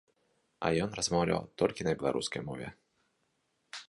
А ён размаўляў толькі на беларускай мове.